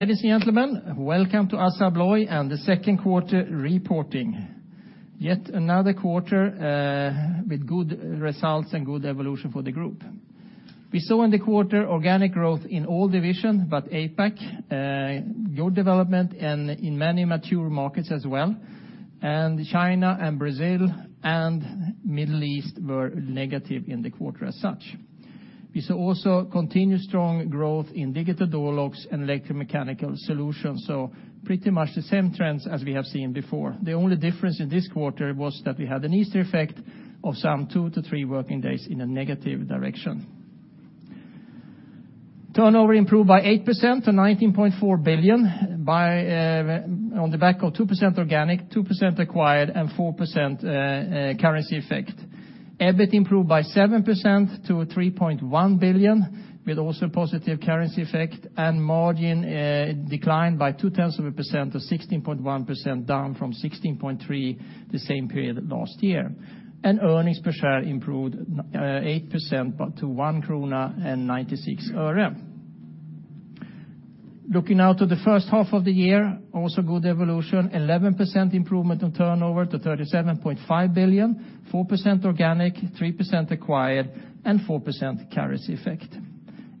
Ladies and gentlemen, welcome to Assa Abloy and the second quarter reporting. Yet another quarter with good results and good evolution for the group. We saw in the quarter organic growth in all divisions but APAC. Good development in many mature markets as well. China and Brazil and Middle East were negative in the quarter as such. We saw also continued strong growth in digital door locks and electromechanical solutions. Pretty much the same trends as we have seen before. The only difference in this quarter was that we had an Easter effect of some 2-3 working days in a negative direction. Turnover improved by 8% to 19.4 billion on the back of 2% organic, 2% acquired, and 4% currency effect. EBIT improved by 7% to 3.1 billion, with also positive currency effect and margin declined by two tenths of a percent to 16.1%, down from 16.3% the same period last year. Earnings per share improved 8% to 1.96 krona. Looking now to the first half of the year, also good evolution, 11% improvement in turnover to 37.5 billion, 4% organic, 3% acquired, and 4% currency effect.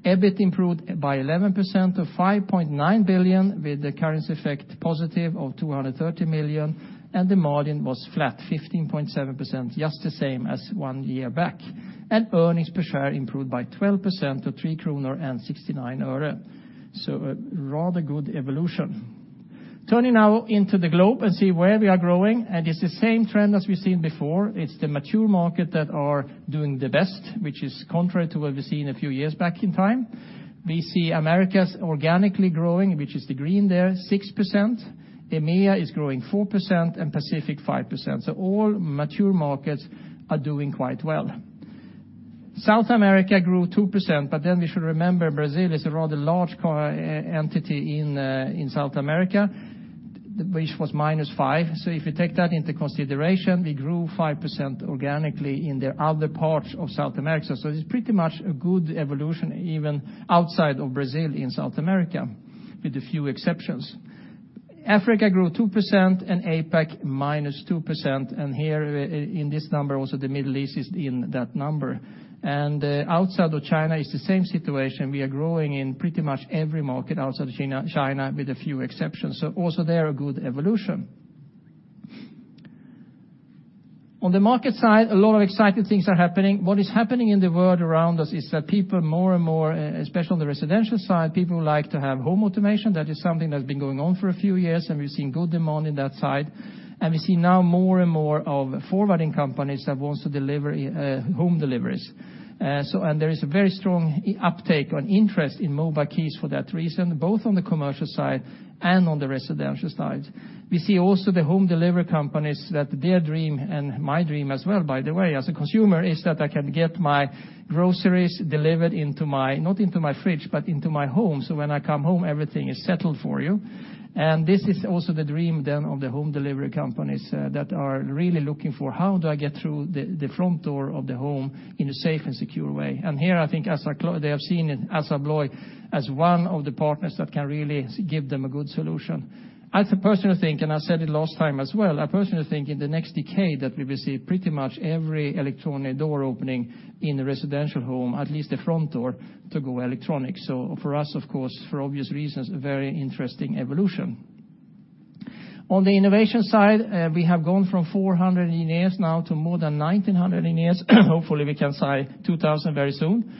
EBIT improved by 11% to 5.9 billion, with the currency effect positive of 230 million, and the margin was flat, 15.7%, just the same as one year back. Earnings per share improved by 12% to 3.69 kronor. A rather good evolution. Turning now into the globe and see where we are growing, it's the same trend as we've seen before. It's the mature market that are doing the best, which is contrary to what we've seen a few years back in time. We see Americas organically growing, which is the green there, 6%. EMEA is growing 4% and Pacific 5%. All mature markets are doing quite well. South America grew 2%, we should remember Brazil is a rather large entity in South America, which was -5%. If you take that into consideration, we grew 5% organically in the other parts of South America. It's pretty much a good evolution, even outside of Brazil in South America, with a few exceptions. Africa grew 2% and APAC -2%. Here in this number, also the Middle East is in that number. Outside of China, it's the same situation. We are growing in pretty much every market outside of China with a few exceptions. Also there, a good evolution. On the market side, a lot of exciting things are happening. What is happening in the world around us is that people more and more, especially on the residential side, people like to have home automation. That is something that's been going on for a few years, and we've seen good demand in that side. We see now more and more of forwarding companies that wants to deliver home deliveries. There is a very strong uptake on interest in mobile keys for that reason, both on the commercial side and on the residential side. We see also the home delivery companies that their dream, and my dream as well, by the way, as a consumer, is that I can get my groceries delivered into my, not into my fridge, but into my home. When I come home, everything is settled for you. This is also the dream then of the home delivery companies that are really looking for how do I get through the front door of the home in a safe and secure way. Here I think they have seen Assa Abloy as one of the partners that can really give them a good solution. I personally think, and I said it last time as well, I personally think in the next decade that we will see pretty much every electronic door opening in a residential home, at least the front door, to go electronic. For us, of course, for obvious reasons, a very interesting evolution. On the innovation side, we have gone from 400 engineers now to more than 1,900 engineers. Hopefully we can say 2,000 very soon.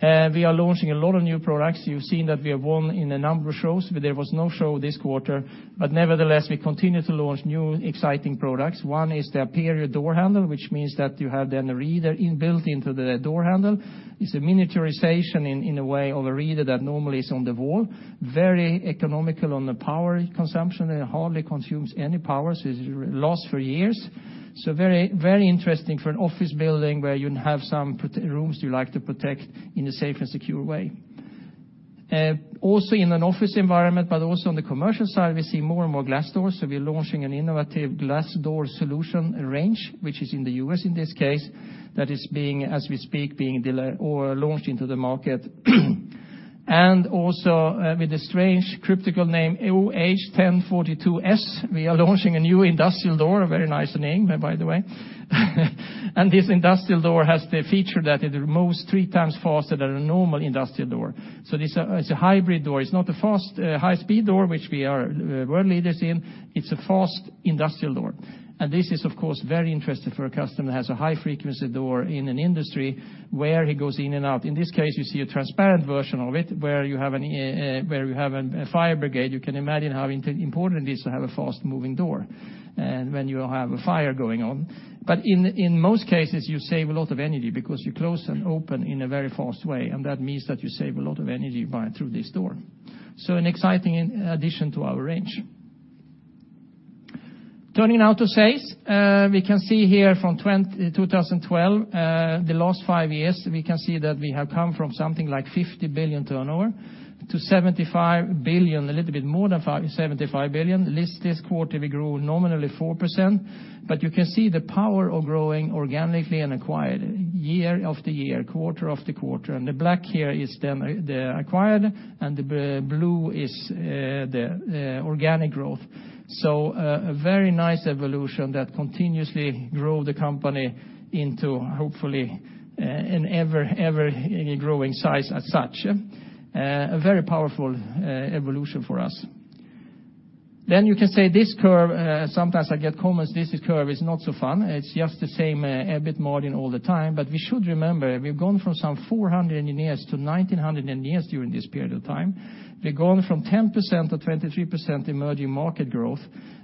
We are launching a lot of new products. You've seen that we have won in a number of shows, there was no show this quarter. Nevertheless, we continue to launch new, exciting products. One is the Aperio door handle, which means that you have then a reader inbuilt into the door handle. It's a miniaturization in a way of a reader that normally is on the wall. Very economical on the power consumption. It hardly consumes any power, so it lasts for years. Very interesting for an office building where you have some rooms you like to protect in a safe and secure way. Also in an office environment, but also on the commercial side, we see more and more glass doors. We're launching an innovative glass door solution range, which is in the U.S. in this case, that is, as we speak, being launched into the market. Also with the strange cryptical name OH1042S, we are launching a new industrial door, a very nice name, by the way. This industrial door has the feature that it moves three times faster than a normal industrial door. It's a hybrid door. It's not a high-speed door, which we are world leaders in. It's a fast industrial door. This is, of course, very interesting for a customer that has a high-frequency door in an industry where he goes in and out. In this case, you see a transparent version of it where you have a fire brigade. You can imagine how important it is to have a fast-moving door and when you have a fire going on. In most cases, you save a lot of energy because you close and open in a very fast way, and that means that you save a lot of energy through this door. An exciting addition to our range. Turning now to sales. We can see here from 2012, the last five years, we can see that we have come from something like 50 billion turnover to 75 billion, a little bit more than 75 billion. This quarter we grew nominally 4%, you can see the power of growing organically and acquired year after year, quarter after quarter. The black here is the acquired and the blue is the organic growth. A very nice evolution that continuously grow the company into, hopefully, an ever-growing size as such. A very powerful evolution for us. You can say this curve, sometimes I get comments, this curve is not so fun. It's just the same EBIT margin all the time. We should remember, we've gone from some 400 engineers to 1,900 engineers during this period of time. We've gone from 10% to 23% emerging market growth,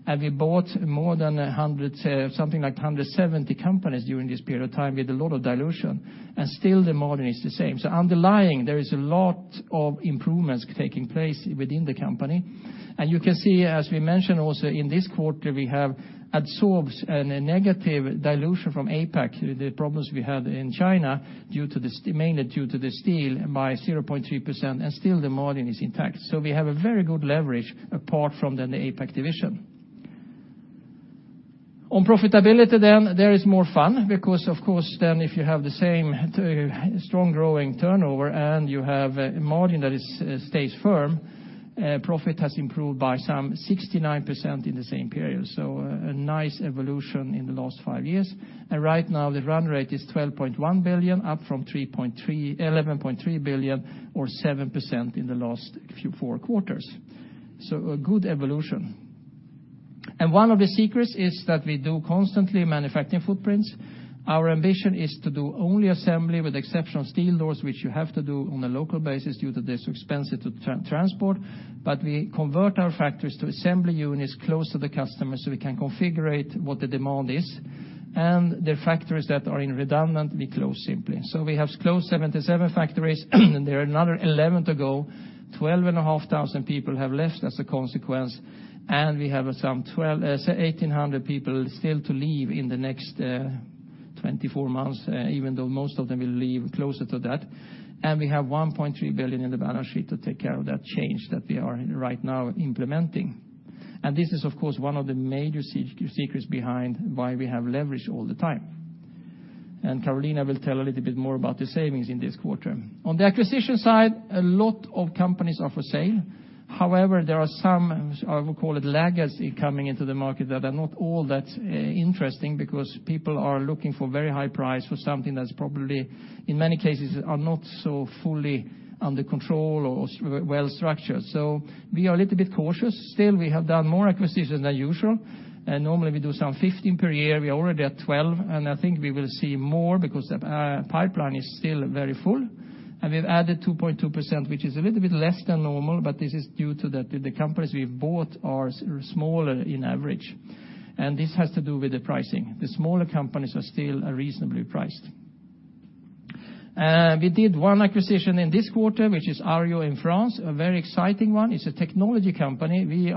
and we bought something like 170 companies during this period of time with a lot of dilution, and still the margin is the same. Underlying, there is a lot of improvements taking place within the company. You can see, as we mentioned also in this quarter, we have absorbed a negative dilution from APAC, the problems we had in China mainly due to the steel by 0.3%, and still the margin is intact. We have a very good leverage apart from the APAC division. On profitability, there is more fun because, of course, if you have the same strong growing turnover and you have a margin that stays firm, profit has improved by some 69% in the same period. A nice evolution in the last five years. Right now the run rate is 12.1 billion, up from 11.3 billion or 7% in the last four quarters. A good evolution. One of the secrets is that we do constantly manufacturing footprints. Our ambition is to do only assembly with the exception of steel doors, which you have to do on a local basis due to they're so expensive to transport. We convert our factories to assembly units close to the customers so we can configure what the demand is. The factories that are redundant, we close simply. We have closed 77 factories, and there are another 11 to go. 12,500 people have left as a consequence, and we have some 1,800 people still to leave in the next 24 months, even though most of them will leave closer to that. We have 1.3 billion in the balance sheet to take care of that change that we are right now implementing. This is, of course, one of the major secrets behind why we have leverage all the time. Carolina will tell a little bit more about the savings in this quarter. On the acquisition side, a lot of companies are for sale. There are some, I would call it laggards, coming into the market that are not all that interesting because people are looking for very high price for something that's probably, in many cases, are not so fully under control or well-structured. We are a little bit cautious. Still, we have done more acquisitions than usual. Normally we do some 15 per year. We are already at 12, and I think we will see more because the pipeline is still very full. We've added 2.2%, which is a little bit less than normal, but this is due to the companies we've bought are smaller in average. This has to do with the pricing. The smaller companies are still reasonably priced. We did one acquisition in this quarter, which is Arjo in France, a very exciting one. It's a technology company. We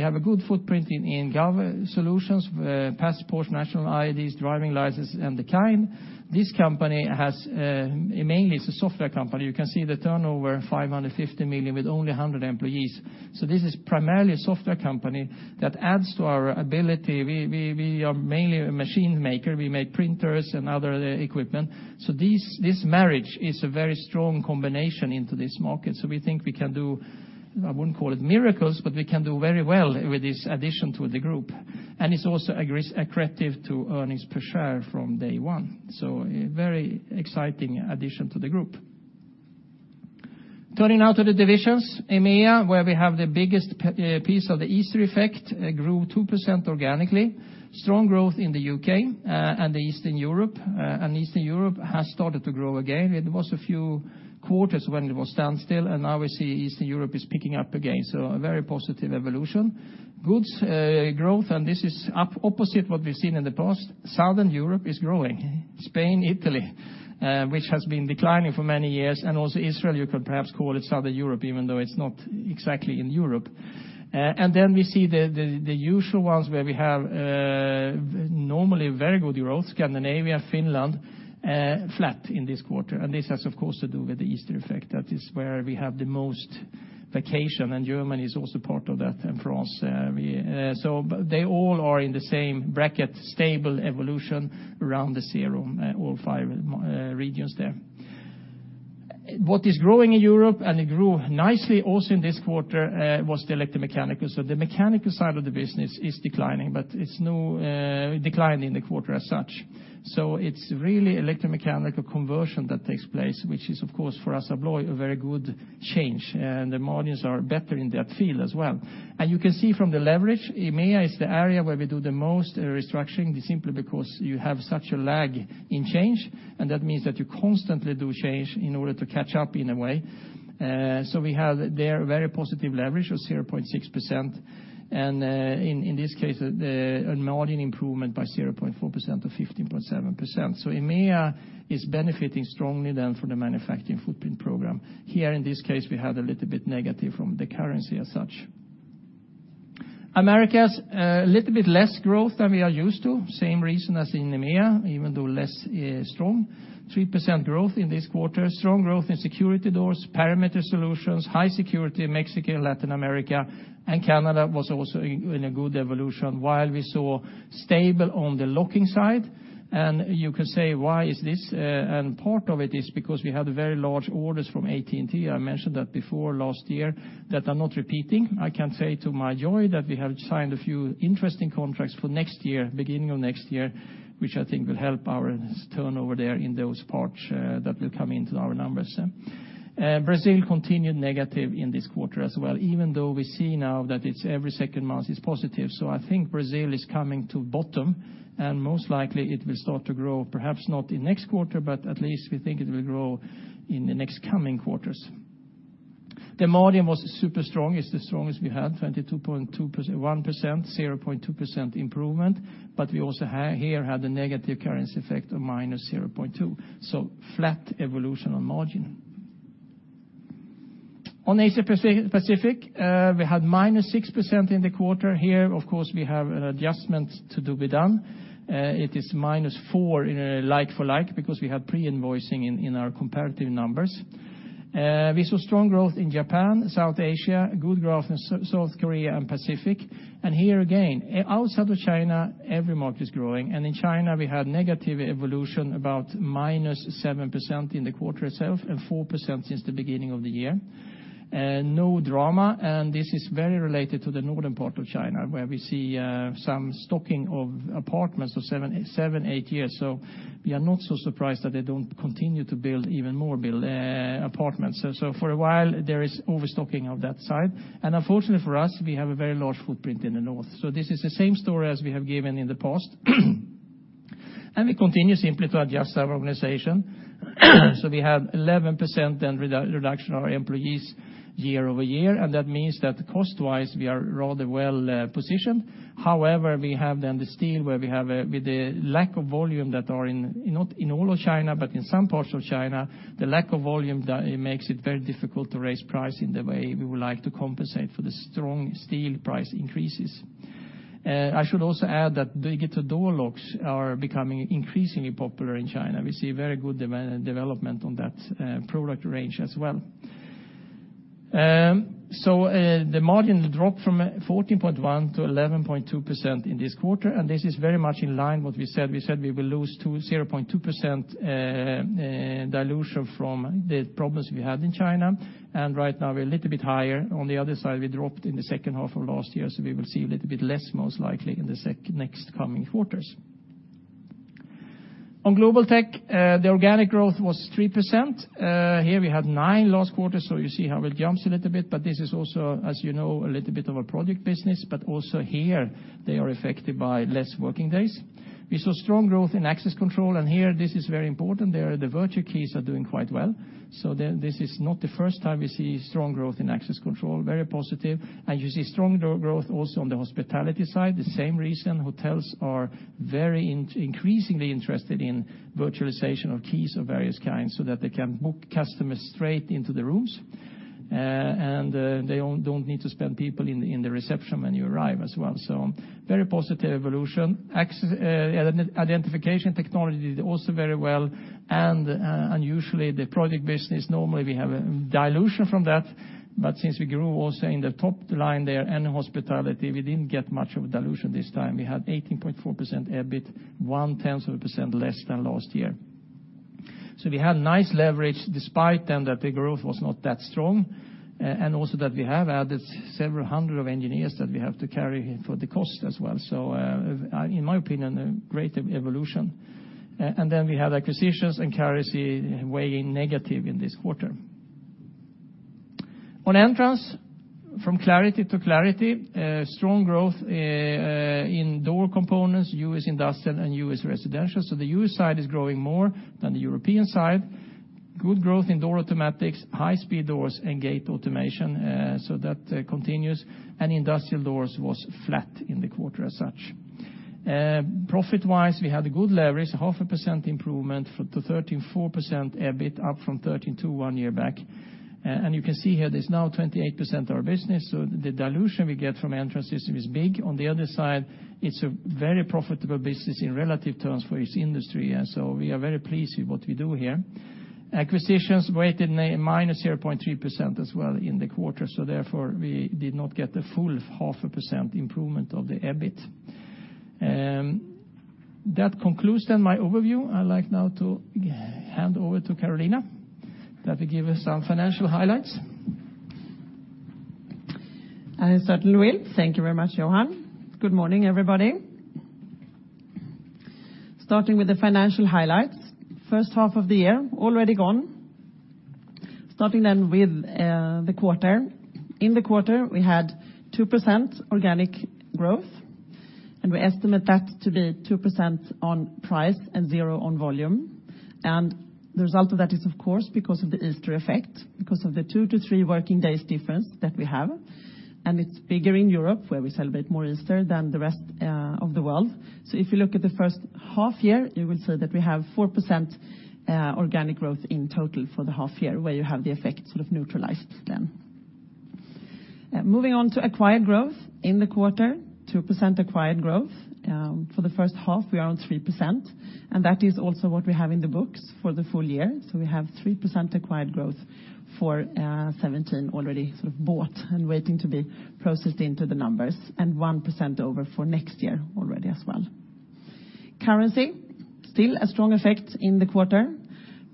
have a good footprint in government solutions, passports, national IDs, driving licenses, and the kind. This company mainly is a software company. You can see the turnover, 550 million with only 100 employees. This is primarily a software company that adds to our ability. We are mainly a machine maker. We make printers and other equipment. This marriage is a very strong combination into this market. We think we can do, I wouldn't call it miracles, but we can do very well with this addition to the group. It is also accretive to earnings per share from day one. A very exciting addition to the group. Turning now to the divisions. EMEA, where we have the biggest piece of the Easter effect, grew 2% organically. Strong growth in the U.K. and Eastern Europe. Eastern Europe has started to grow again. It was a few quarters when it was standstill, now we see Eastern Europe is picking up again. A very positive evolution. Goods growth, this is opposite what we've seen in the past. Southern Europe is growing. Spain, Italy, which has been declining for many years, and also Israel, you could perhaps call it Southern Europe, even though it is not exactly in Europe. We see the usual ones where we have normally very good growth. Scandinavia, Finland, flat in this quarter. This has, of course, to do with the Easter effect. That is where we have the most vacation, and Germany is also part of that, and France. They all are in the same bracket, stable evolution around the zero, all five regions there. What is growing in Europe, and it grew nicely also in this quarter, was the electromechanical. The mechanical side of the business is declining, it is no decline in the quarter as such. It is really electromechanical conversion that takes place, which is, of course, for Assa Abloy, a very good change, and the margins are better in that field as well. You can see from the leverage, EMEA is the area where we do the most restructuring, simply because you have such a lag in change, and that means that you constantly do change in order to catch up in a way. We have there very positive leverage of 0.6%, and in this case, a margin improvement by 0.4% to 15.7%. EMEA is benefiting strongly then from the manufacturing footprint program. Here in this case, we had a little bit negative from the currency as such. Americas, a little bit less growth than we are used to. Same reason as in EMEA, even though less strong, 3% growth in this quarter. Strong growth in security doors, perimeter solutions, high security in Mexico, Latin America, and Canada was also in a good evolution, while we saw stable on the locking side. You can say, "Why is this?" Part of it is because we had very large orders from AT&T, I mentioned that before last year, that are not repeating. I can say to my joy that we have signed a few interesting contracts for the beginning of next year, which I think will help our turnover there in those parts that will come into our numbers. Brazil continued negative in this quarter as well, even though we see now that it's every second month it's positive. I think Brazil is coming to bottom and most likely it will start to grow, perhaps not in next quarter, but at least we think it will grow in the next coming quarters. The margin was super strong. It's the strongest we had, 22.1%, 0.2% improvement. We also here had the negative currency effect of -0.2%. Flat evolution on margin. Asia Pacific, we had -6% in the quarter. Here, of course, we have an adjustment to be done. It is -4% in like-for-like because we have pre-invoicing in our comparative numbers. We saw strong growth in Japan, South Asia, good growth in South Korea and Pacific. Here again, outside of China, every market is growing. In China we had negative evolution about -7% in the quarter itself and 4% since the beginning of the year. No drama. This is very related to the northern part of China where we see some stocking of apartments of seven, eight years. We are not so surprised that they don't continue to build even more apartments. For a while there is overstocking of that side. Unfortunately for us, we have a very large footprint in the north. This is the same story as we have given in the past. We continue simply to adjust our organization. We have 11% then reduction of employees year-over-year, and that means that cost-wise we are rather well positioned. However, we have then the steel where we have the lack of volume that are not in all of China, but in some parts of China. The lack of volume makes it very difficult to raise price in the way we would like to compensate for the strong steel price increases. I should also add that digital door locks are becoming increasingly popular in China. We see very good development on that product range as well. The margin dropped from 14.1% to 11.2% in this quarter, and this is very much in line what we said. We said we will lose 0.2% dilution from the problems we had in China, and right now we're a little bit higher. The other side, we dropped in the second half of last year, so we will see a little bit less most likely in the next coming quarters. Global Tech, the organic growth was 3%. Here we had 9% last quarter, so you see how it jumps a little bit. This is also, as you know, a little bit of a project business, but also here they are affected by less working days. We saw strong growth in access control, and here this is very important. The virtual keys are doing quite well. This is not the first time we see strong growth in access control. Very positive. You see strong growth also on the hospitality side. The same reason, hotels are very increasingly interested in virtualization of keys of various kinds so that they can book customers straight into the rooms, and they don't need to spend people in the reception when you arrive as well. Very positive evolution. Identification technology did also very well, and usually the project business, normally we have a dilution from that. Since we grew also in the top line there and hospitality, we didn't get much of a dilution this time. We had 18.4% EBIT, one tenth of a percent less than last year. We had nice leverage despite then that the growth was not that strong, and also that we have added several hundred engineers that we have to carry for the cost as well. In my opinion, a great evolution. We have acquisitions and currency weighing negative in this quarter. On Entrance, from quarter to quarter, strong growth in door components, U.S. industrial and U.S. residential. The U.S. side is growing more than the European side. Good growth in door automatics, high-speed doors and gate automation, so that continues. Industrial doors was flat in the quarter as such. Profit-wise, we had good leverage, half a percent improvement to 34% EBIT up from 32% one year back. You can see here there is now 28% of our business, the dilution we get from Entrance Systems is big. On the other side, it's a very profitable business in relative terms for its industry, we are very pleased with what we do here. Acquisitions weighted minus 0.3% as well in the quarter, we did not get the full half a percent improvement of the EBIT. That concludes my overview. I would like now to hand over to Carolina that will give us some financial highlights. I certainly will. Thank you very much, Johan. Good morning, everybody. Starting with the financial highlights. First half of the year already gone. Starting with the quarter. In the quarter, we had 2% organic growth, we estimate that to be 2% on price and zero on volume. The result of that is, of course, because of the Easter effect, because of the two to three working days difference that we have. It is bigger in Europe where we celebrate more Easter than the rest of the world. If you look at the first half year, you will say that we have 4% organic growth in total for the half year where you have the effect sort of neutralized then. Moving on to acquired growth in the quarter, 2% acquired growth. For the first half, we are on 3%, that is also what we have in the books for the full year. We have 3% acquired growth for 2017 already sort of bought and waiting to be processed into the numbers, 1% over for next year already as well. Currency, still a strong effect in the quarter,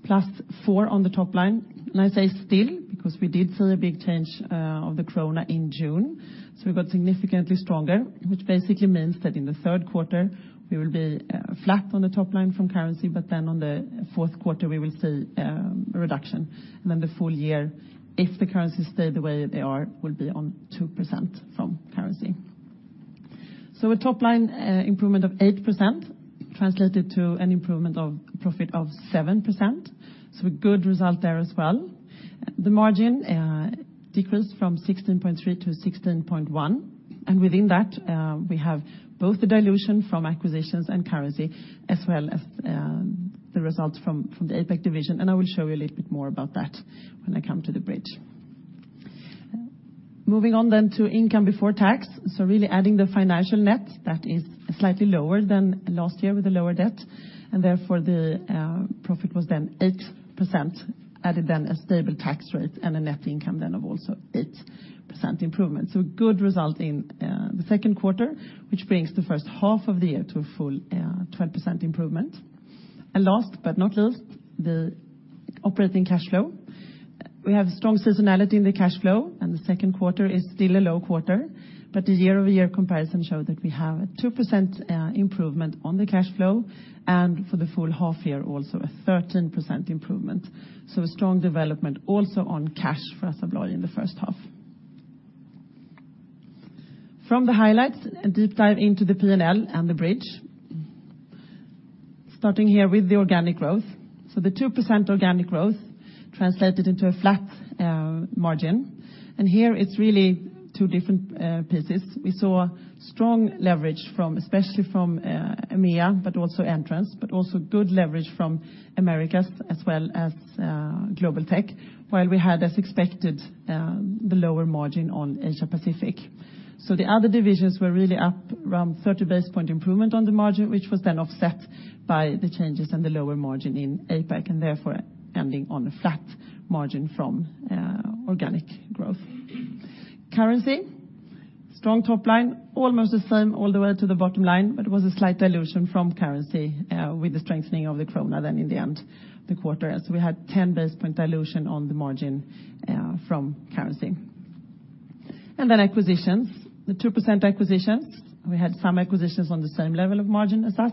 plus 4% on the top line. I say still, because we did see a big change of the krona in June. We got significantly stronger, which basically means that in the third quarter we will be flat on the top line from currency, on the fourth quarter we will see a reduction. The full year, if the currencies stay the way they are, we will be on 2% from currency. A top line improvement of 8% translated to an improvement of profit of 7%, a good result there as well. The margin decreased from 16.3 to 16.1, and within that we have both the dilution from acquisitions and currency, as well as the results from the APAC division, and I will show you a little bit more about that when I come to the bridge. Really adding the financial net, that is slightly lower than last year with the lower debt. The profit was then 8%. A stable tax rate and a net income of also 8% improvement. A good result in the second quarter, which brings the first half of the year to a full 12% improvement. Last but not least, the operating cash flow. We have strong seasonality in the cash flow. The second quarter is still a low quarter. The year-over-year comparison show that we have a 2% improvement on the cash flow. For the full half year, also a 13% improvement. A strong development also on cash for Assa Abloy in the first half. From the highlights, a deep dive into the P&L and the bridge. Starting here with the organic growth. The 2% organic growth translated into a flat margin, and here it's really two different pieces. We saw strong leverage, especially from EMEA, also Entrance, also good leverage from Americas as well as Global Technologies, while we had, as expected, the lower margin on Asia Pacific. The other divisions were really up around 30 basis point improvement on the margin, which was then offset by the changes in the lower margin in APAC, ending on a flat margin from organic growth. Currency, strong top line, almost the same all the way to the bottom line, it was a slight dilution from currency with the strengthening of the krona in the end of the quarter. We had 10 basis point dilution on the margin from currency. Acquisitions. The 2% acquisitions, we had some acquisitions on the same level of margin as us,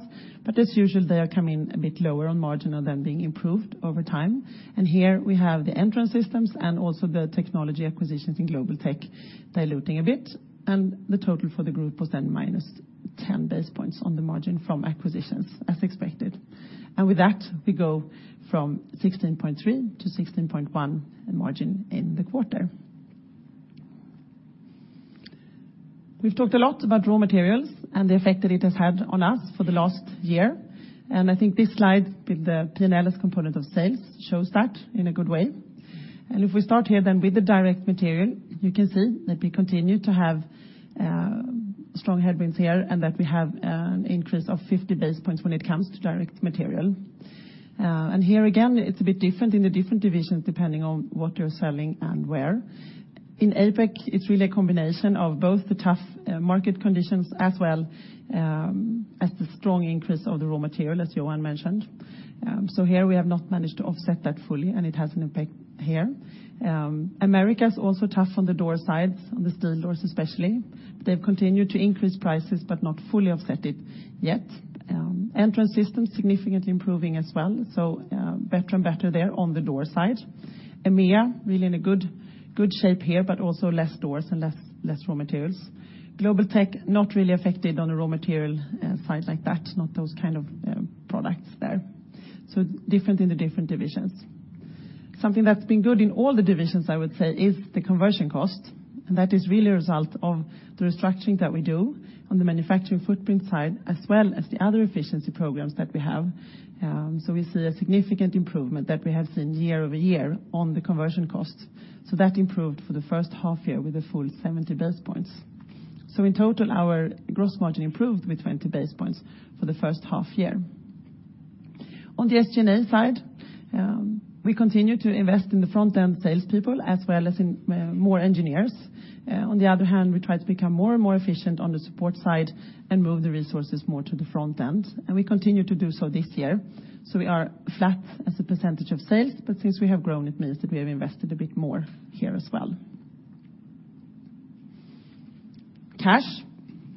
as usual, they are coming a bit lower on margin being improved over time. Here we have the Entrance Systems and also the technology acquisitions in Global Technologies diluting a bit. The total for the group was then minus 10 basis points on the margin from acquisitions as expected. With that, we go from 16.3 to 16.1 in margin in the quarter. We've talked a lot about raw materials and the effect that it has had on us for the last year. I think this slide with the P&L as component of sales shows that in a good way. If we start here with the direct material, you can see that we continue to have strong headwinds here. We have an increase of 50 basis points when it comes to direct material. Here again, it's a bit different in the different divisions depending on what you're selling and where. In APAC, it's really a combination of both the tough market conditions as well as the strong increase of the raw material, as Johan mentioned. Here we have not managed to offset that fully, and it has an impact here. Americas, also tough on the door sides, on the steel doors especially. They've continued to increase prices but not fully offset it yet. Entrance Systems significantly improving as well, better and better there on the door side. EMEA, really in a good shape here, but also less doors and less raw materials. Global Technologies, not really affected on the raw material side like that, not those kind of products there. Different in the different divisions. Something that's been good in all the divisions, I would say, is the conversion cost, and that is really a result of the restructuring that we do on the manufacturing footprint side, as well as the other efficiency programs that we have. We see a significant improvement that we have seen year-over-year on the conversion costs. That improved for the first half year with a full 70 basis points. In total, our gross margin improved with 20 basis points for the first half year. On the SG&A side, we continue to invest in the front-end salespeople as well as in more engineers. On the other hand, we try to become more and more efficient on the support side and move the resources more to the front end, and we continue to do so this year. We are flat as a percentage of sales, but since we have grown, it means that we have invested a bit more here as well. Cash.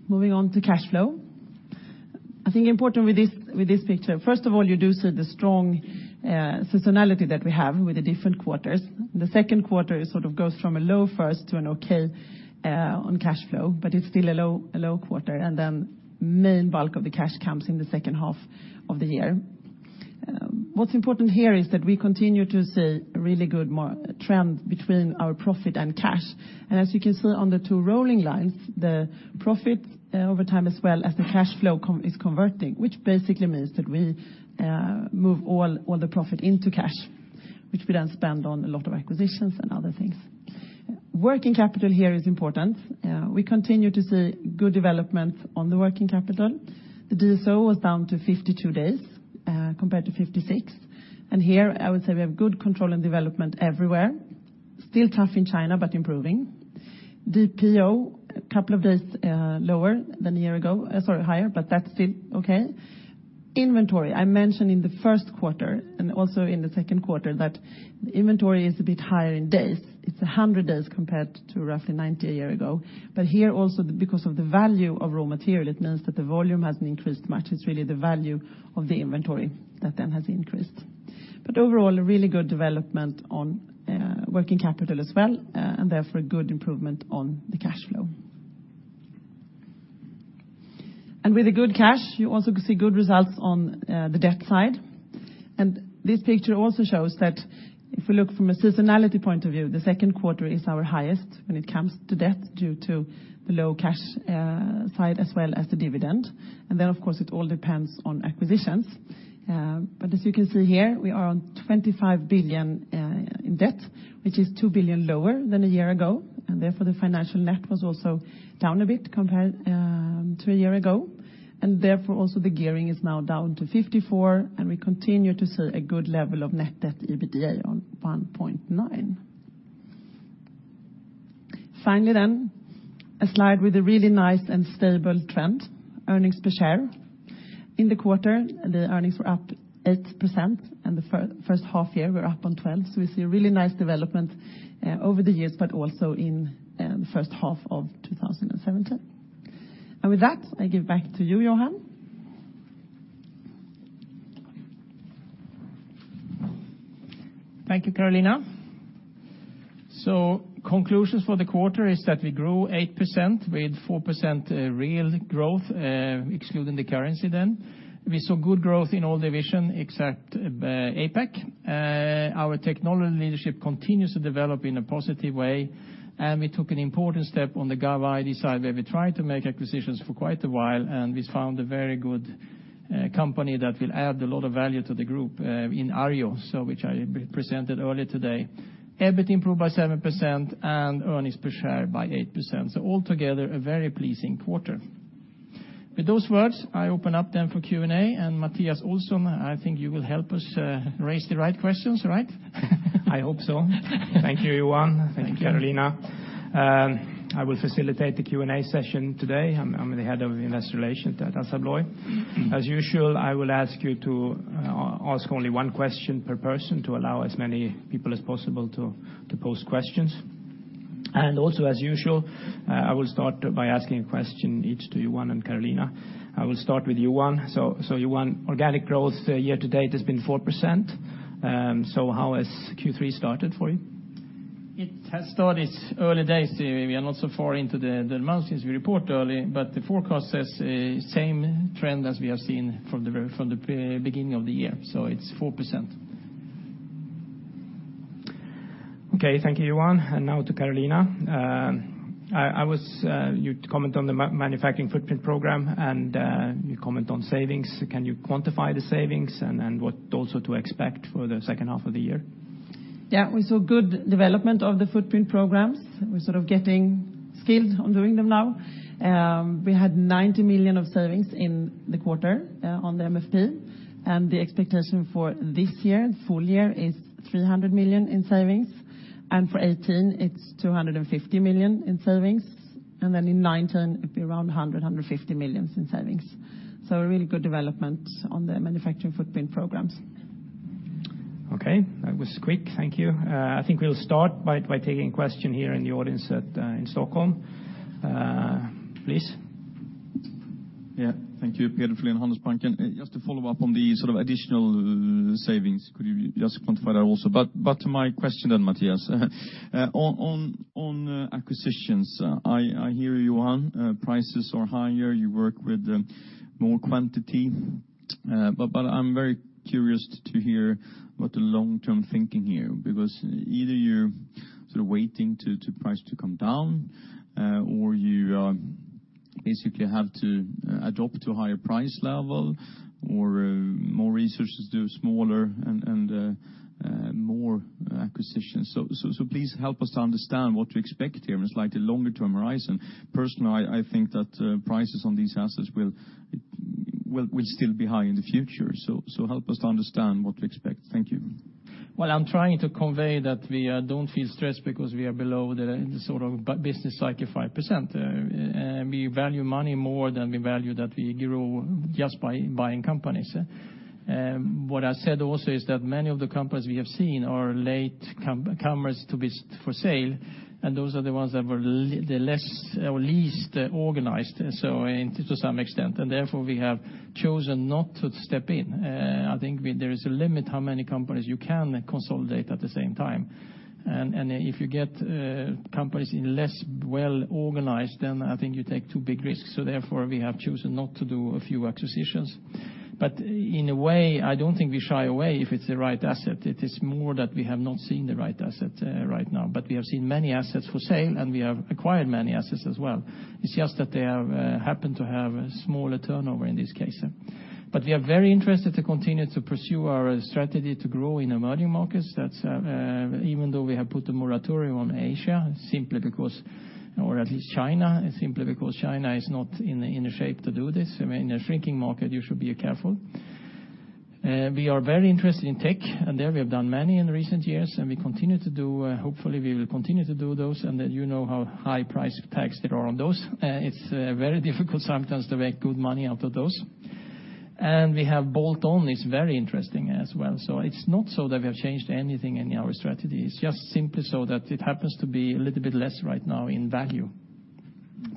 Moving on to cash flow. I think important with this picture, first of all, you do see the strong seasonality that we have with the different quarters. The second quarter, it sort of goes from a low first to an okay on cash flow, but it's still a low quarter, and then main bulk of the cash comes in the second half of the year. What's important here is that we continue to see a really good trend between our profit and cash. As you can see on the two rolling lines, the profit over time as well as the cash flow is converting, which basically means that we move all the profit into cash, which we then spend on a lot of acquisitions and other things. Working capital here is important. We continue to see good developments on the working capital. The DSO was down to 52 days, compared to 56. Here I would say we have good control and development everywhere. Still tough in China, but improving. DPO, a couple of days lower than a year ago. Sorry, higher, but that's still okay. Inventory, I mentioned in the first quarter and also in the second quarter that the inventory is a bit higher in days. It's 100 days compared to roughly 90 a year ago. Here also, because of the value of raw material, it means that the volume hasn't increased much. It's really the value of the inventory that then has increased. Overall, really good development on working capital as well, and therefore good improvement on the cash flow. With the good cash, you also see good results on the debt side. This picture also shows that if we look from a seasonality point of view, the second quarter is our highest when it comes to debt due to the low cash side as well as the dividend. Then of course, it all depends on acquisitions. As you can see here, we are on 25 billion in debt, which is 2 billion lower than a year ago. Therefore, the financial net was also down a bit compared to a year ago. Therefore, also the gearing is now down to 54%, and we continue to see a good level of net debt EBITDA on 1.9x. Finally then, a slide with a really nice and stable trend, earnings per share. In the quarter, the earnings were up 8%, and the first half year we're up on 12%. We see a really nice development over the years, but also in the first half of 2017. With that, I give back to you, Johan. Thank you, Carolina. So Conclusions for the quarter is that we grew 8% with 4% real growth, excluding the currency then. We saw good growth in all division except APAC. Our technology leadership continues to develop in a positive way, and we took an important step on the GovID side, where we tried to make acquisitions for quite a while, and we found a very good company that will add a lot of value to the group in Arjo, which I presented earlier today. EBIT improved by 7% and earnings per share by 8%. Altogether, a very pleasing quarter. With those words, I open up then for Q&A, and Mattias Olsson, I think you will help us raise the right questions, right? I hope so. Thank you, Johan. Thank you, Carolina. Thank you. I'm the Head of Investor Relations at Assa Abloy. As usual, I will ask you to ask only one question per person to allow as many people as possible to pose questions. Also as usual, I will start by asking a question each to Johan and Carolina. I will start with Johan. Johan, organic growth year to date has been 4%. How has Q3 started for you? It has started, it's early days. We are not so far into the month since we report early, but the forecast says same trend as we have seen from the beginning of the year. It's 4%. Okay. Thank you, Johan. Now to Carolina. You'd comment on the manufacturing footprint program and you comment on savings. Can you quantify the savings and what also to expect for the second half of the year? We saw good development of the footprint programs. We're sort of getting skilled on doing them now. We had 90 million of savings in the quarter on the MFP. The expectation for this year, full year, is 300 million in savings. For 2018, it's 250 million in savings. In 2019, it'd be around 100 million-150 million in savings. A really good development on the manufacturing footprint programs. That was quick. Thank you. I think we'll start by taking a question here in the audience in Stockholm. Please. Thank you. Peter Ryen, Handelsbanken. Just to follow up on the additional savings, could you just quantify that also? To my question then, Mattias. On acquisitions, I hear you on prices are higher, you work with more quantity. I'm very curious to hear what the long-term thinking here, because either you're sort of waiting to price to come down or you basically have to adopt to a higher price level or more resources to do smaller and more acquisitions. Please help us to understand what to expect here in a slightly longer term horizon. Personally, I think that prices on these assets will still be high in the future. Help us to understand what to expect. Thank you. I'm trying to convey that we don't feel stressed because we are below the sort of business cycle 5%. We value money more than we value that we grow just by buying companies. What I said also is that many of the companies we have seen are late comers to be for sale, and those are the ones that were the least organized to some extent, and therefore we have chosen not to step in. I think there is a limit how many companies you can consolidate at the same time. If you get companies in less well-organized, then I think you take too big risks. Therefore, we have chosen not to do a few acquisitions. In a way, I don't think we shy away if it's the right asset. It is more that we have not seen the right asset right now. We have seen many assets for sale, and we have acquired many assets as well. It's just that they happen to have a smaller turnover in this case. We are very interested to continue to pursue our strategy to grow in emerging markets. Even though we have put a moratorium on Asia, simply because, or at least China, simply because China is not in a shape to do this. In a shrinking market, you should be careful. We are very interested in tech, and there we have done many in recent years, and hopefully we will continue to do those. You know how high price tags there are on those. It's very difficult sometimes to make good money out of those. We have bolt-on is very interesting as well. It's not so that we have changed anything in our strategy. It's just simply so that it happens to be a little bit less right now in value.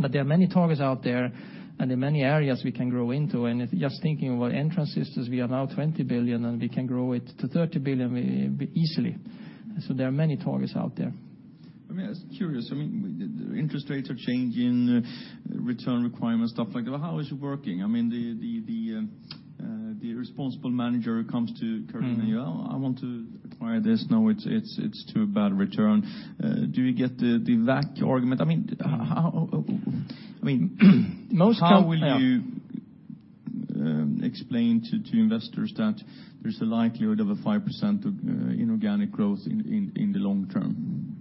There are many targets out there and in many areas we can grow into. Just thinking about Entrance Systems, we are now 20 billion and we can grow it to 30 billion easily. There are many targets out there. I'm just curious, the interest rates are changing, return requirements, stuff like that. How is it working? The responsible manager who comes to Kurth and, "I want to acquire this." "No, it's too bad return." Do you get the WACC argument? How will you explain to investors that there's a likelihood of a 5% of inorganic growth in the long term?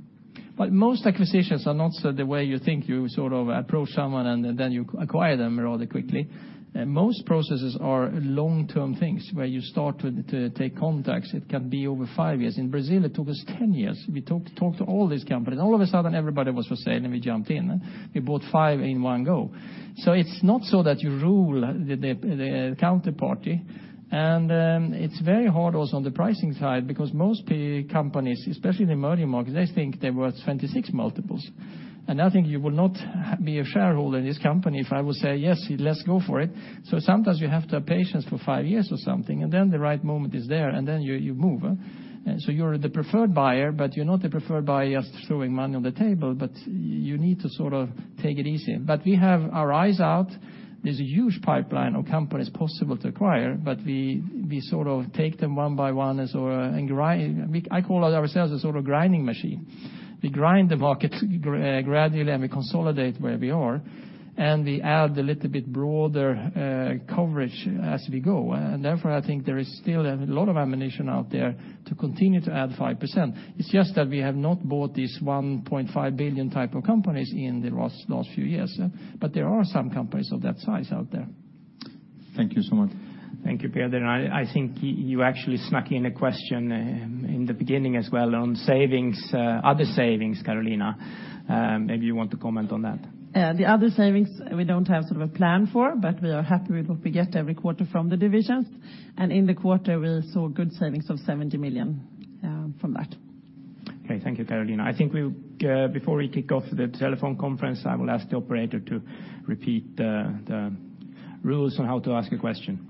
Most acquisitions are not the way you think. You approach someone and then you acquire them rather quickly. Most processes are long-term things where you start to take contacts. It can be over five years. In Brazil, it took us 10 years. We talked to all these companies. All of a sudden, everybody was for sale, and we jumped in. We bought five in one go. It's not so that you rule the counterparty. It's very hard also on the pricing side because most companies, especially in emerging markets, they think they're worth 26 multiples. I think you will not be a shareholder in this company if I will say, "Yes, let's go for it." Sometimes you have to have patience for five years or something, and then the right moment is there, and then you move. You're the preferred buyer, you're not the preferred buyer just throwing money on the table, you need to take it easy. We have our eyes out. There's a huge pipeline of companies possible to acquire, we take them one by one. I call ourselves a grinding machine. We grind the market gradually, and we consolidate where we are, and we add a little bit broader coverage as we go. Therefore, I think there is still a lot of ammunition out there to continue to add 5%. It's just that we have not bought these 1.5 billion type of companies in the last few years. There are some companies of that size out there. Thank you so much. Thank you, Peter. I think you actually snuck in a question in the beginning as well on other savings, Carolina. Maybe you want to comment on that. The other savings we don't have a plan for, we are happy with what we get every quarter from the divisions. In the quarter, we saw good savings of 70 million from that. Okay, thank you, Carolina. I think before we kick off the telephone conference, I will ask the operator to repeat the rules on how to ask a question.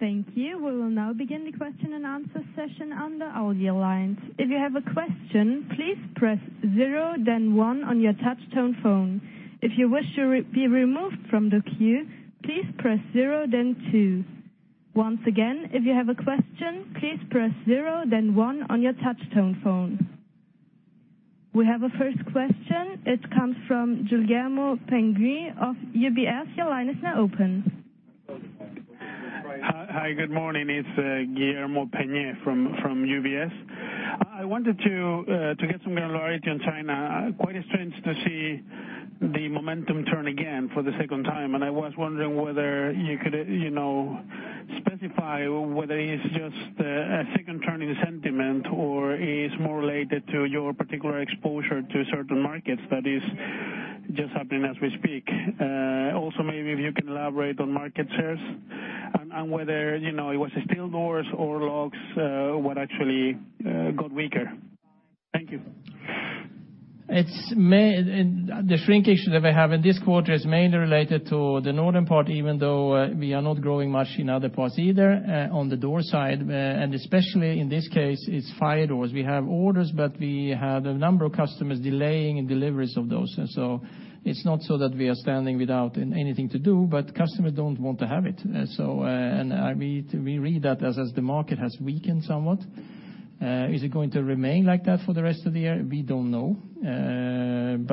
Thank you. We will now begin the question and answer session on the audio lines. If you have a question, please press zero, then one on your touch tone phone. If you wish to be removed from the queue, please press zero, then two. Once again, if you have a question, please press zero, then one on your touch tone phone. We have a first question. It comes from Guillermo Peigneux-Lojo of UBS. Your line is now open. Hi, good morning. It's Guillermo Peigneux-Lojo from UBS. I wanted to get some granularity on China. Quite strange to see the momentum turn again for the second time. I was wondering whether you could specify whether it's just a second turning sentiment or is more related to your particular exposure to certain markets that is just happening as we speak. Maybe if you can elaborate on market shares and whether it was steel doors or locks what actually got weaker. Thank you. The shrinkage that we have in this quarter is mainly related to the northern part, even though we are not growing much in other parts either on the door side, and especially in this case, it's fire doors. We have orders, but we have a number of customers delaying deliveries of those. It's not so that we are standing without anything to do, but customers don't want to have it. We read that as the market has weakened somewhat. Is it going to remain like that for the rest of the year? We don't know. On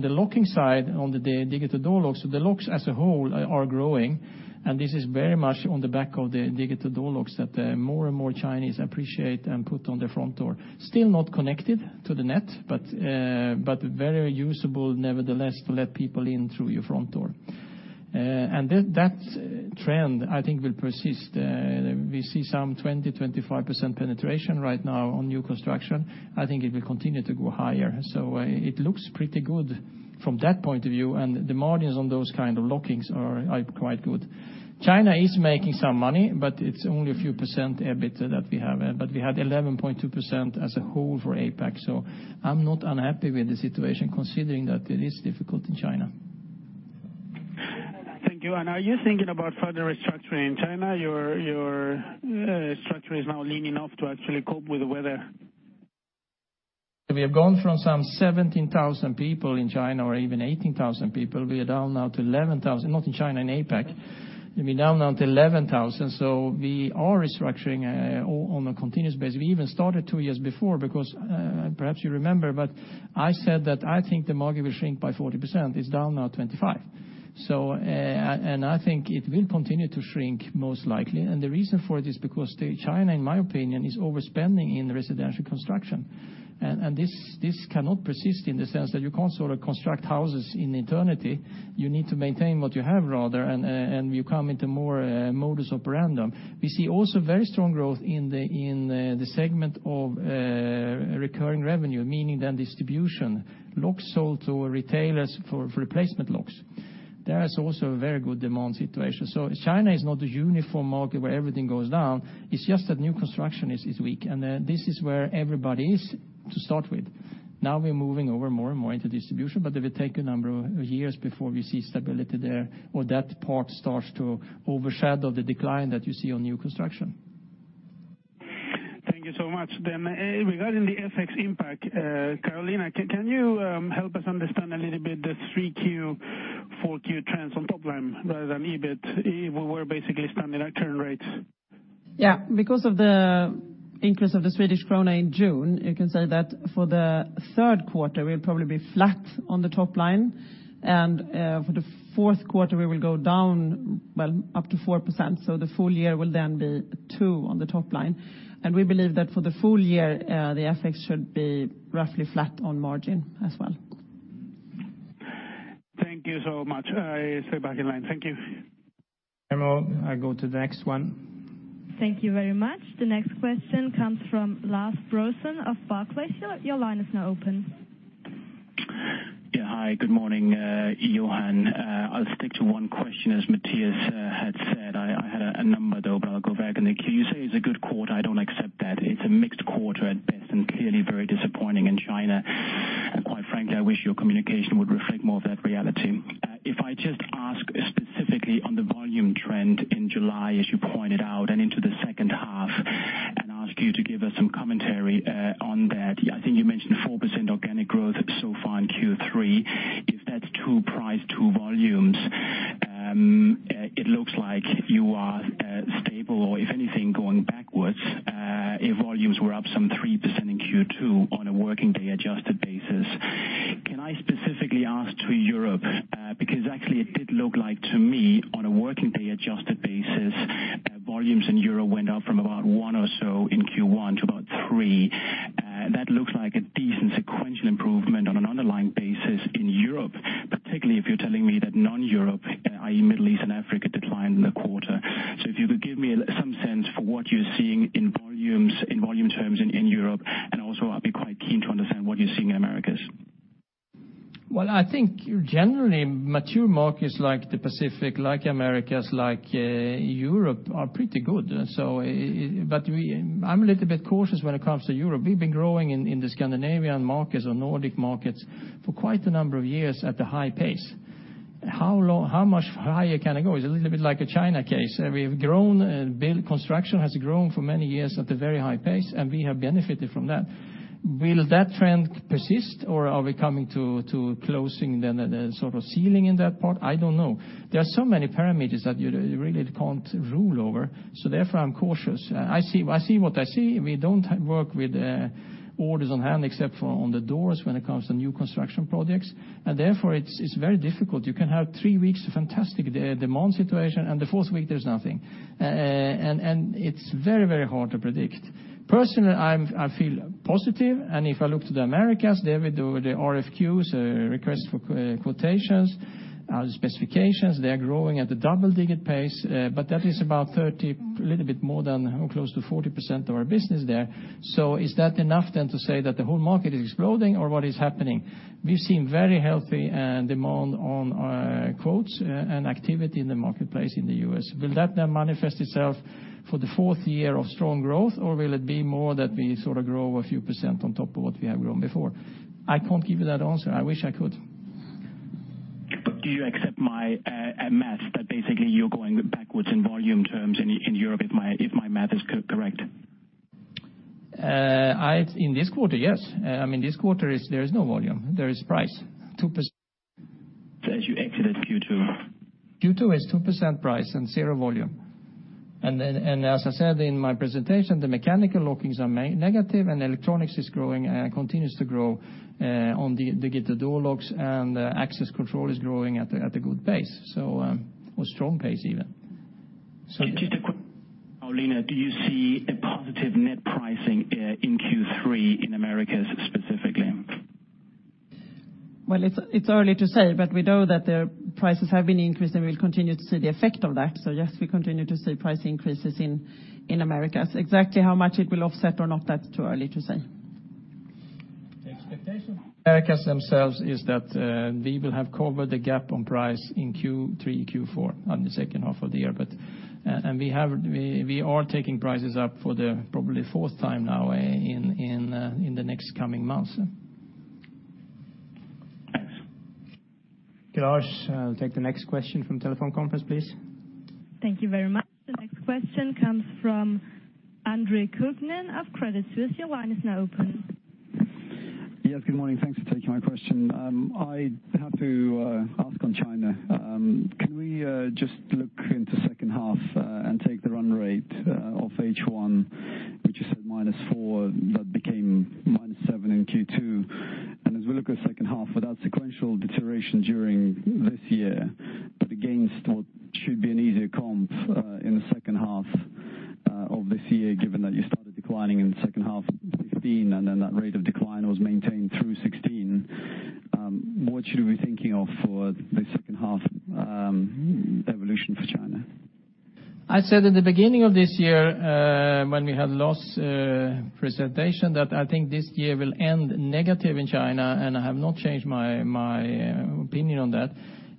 the locking side, on the digital door locks, the locks as a whole are growing, and this is very much on the back of the digital door locks that more and more Chinese appreciate and put on their front door. Still not connected to the net, but very usable nevertheless to let people in through your front door. That trend I think will persist. We see some 20%-25% penetration right now on new construction. I think it will continue to go higher. It looks pretty good from that point of view, and the margins on those kind of lockings are quite good. China is making some money, but it's only a few percent EBIT that we have there. We had 11.2% as a whole for APAC, I'm not unhappy with the situation considering that it is difficult in China. Thank you. Are you thinking about further restructuring in China? Your structure is now lean enough to actually cope with the headwinds. We have gone from some 17,000 people in China, or even 18,000 people. We are down now to 11,000, not in China, in APAC. We're down now to 11,000. We are restructuring on a continuous basis. We even started two years before because, perhaps you remember, I said that I think the market will shrink by 40%. It's down now 25%. I think it will continue to shrink most likely. The reason for it is because China, in my opinion, is overspending in residential construction. This cannot persist in the sense that you can't sort of construct houses in eternity. You need to maintain what you have rather, and you come into more modus operandi. We see also very strong growth in the segment of recurring revenue, meaning then distribution. Locks sold to retailers for replacement locks. There is also a very good demand situation. China is not a uniform market where everything goes down. It's just that new construction is weak, and this is where everybody is to start with. Now we're moving over more and more into distribution, but it will take a number of years before we see stability there, or that part starts to overshadow the decline that you see on new construction. Thank you so much. Regarding the FX impact, Carolina, can you help us understand a little bit the three Q, four Q trends on top line rather than EBIT? We were basically standing at current rates. Yeah. Because of the increase of the Swedish krona in June, you can say that for the third quarter, we'll probably be flat on the top line. For the fourth quarter, we will go down, well, up to 4%. The full year will then be 2% on the top line. We believe that for the full year, the FX should be roughly flat on margin as well. Thank you so much. I stay back in line. Thank you. I'll go to the next one. Thank you very much. The next question comes from Lars Brorson of Barclays. Your line is now open. Hi, good morning, Johan. I will stick to one question, as Mattias had said. I had a number though, but I will go back. You say it is a good quarter. I do not accept that. It is a mixed quarter at best, and clearly very disappointing in China. Quite frankly, I wish your communication would reflect more of that reality. If I just ask specifically on the volume trend in July, as you pointed out, and into the second half, and ask you to give us some commentary on that. I think you mentioned 4% organic growth so far in Q3. If that is true, price to volumes, it looks like you are stable or if anything, going backwards, if volumes were up some 3% in Q2 on a working day adjusted basis. Can I specifically ask to Europe? Because actually it did look like to me on a working day adjusted basis, volumes in Europe went up from about one or so in Q1 to about three. That looks like a decent sequential improvement on an underlying basis in Europe, particularly if you are telling me that non-Europe, i.e. Middle East and Africa, declined in the quarter. If you could give me some sense for what you are seeing in volume terms in Europe, and also I would be quite keen to understand what you are seeing in Americas. Well, I think generally mature markets like the Pacific, like Americas, like Europe, are pretty good. I am a little bit cautious when it comes to Europe. We have been growing in the Scandinavian markets or Nordic markets for quite a number of years at a high pace. How much higher can it go? It is a little bit like a China case. We have grown, build construction has grown for many years at a very high pace, and we have benefited from that. Will that trend persist or are we coming to closing the sort of ceiling in that part? I do not know. There are so many parameters that you really cannot rule over. Therefore, I am cautious. I see what I see. We do not work with orders on hand except for on the doors when it comes to new construction projects. Therefore, it is very difficult. You can have three weeks fantastic demand situation, and the fourth week there's nothing. It's very, very hard to predict. Personally, I feel positive. If I look to the Americas, there we do the RFQs, Request for Quotations, the specifications, they are growing at a double-digit pace. That is about 30, a little bit more than close to 40% of our business there. Is that enough then to say that the whole market is exploding or what is happening? We've seen very healthy demand on quotes and activity in the marketplace in the U.S. Will that then manifest itself for the fourth year of strong growth, or will it be more that we sort of grow a few percent on top of what we have grown before? I can't give you that answer. I wish I could. Do you accept my math that basically you're going backwards in volume terms in Europe, if my math is correct? In this quarter, yes. In this quarter, there is no volume. There is price, 2%. As you exited Q2. Q2 is 2% price and zero volume. As I said in my presentation, the mechanical lockings are negative and electronics is growing and continues to grow on the door locks and access control is growing at a good pace, or strong pace even. Just a quick one. Carolina, do you see a positive net pricing in Q3 in Americas specifically? Well, it's early to say, we know that the prices have been increased and we'll continue to see the effect of that. Yes, we continue to see price increases in Americas. Exactly how much it will offset or not, that's too early to say. The expectation, Americas themselves is that we will have covered the gap on price in Q3, Q4 on the second half of the year. We are taking prices up for the probably fourth time now in the next coming months. Clash, take the next question from telephone conference, please. Thank you very much. The next question comes from Andre Kukhnin of Credit Suisse. Your line is now open. Yes, good morning. Thanks for taking my question. I have to ask on China. Can we just look into second half and take the run rate of H1, which is at -4%, that became -7% in Q2. As we look at second half, without sequential deterioration during this year, but against what should be an easier comp in the second half of this year, given that you started declining in the second half of 2015, and then that rate of decline was maintained through 2016. What should we be thinking of for the second half evolution for China? I said in the beginning of this year, when we had loss presentation, that I think this year will end negative in China. I have not changed my opinion on that.